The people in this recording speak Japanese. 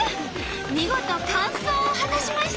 見事完走を果たしました。